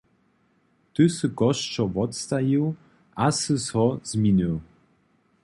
Ty sy chošćo wotstajił a sy so zminył.